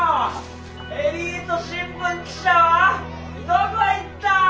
エリート新聞記者はどこ行った！